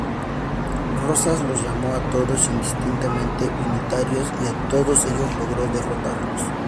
Rosas los llamó a todos, indistintamente, "unitarios", y a todos ellos logró derrotarlos.